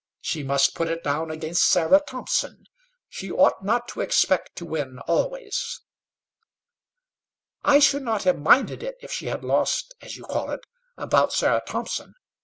She must put it down against Sarah Thompson. She ought not to expect to win always." "I should not have minded it, if she had lost, as you call it, about Sarah Thompson.